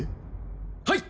はい！